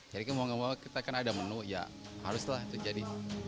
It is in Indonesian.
jadi mau gak mau kita kan ada menu ya harus lah itu jadi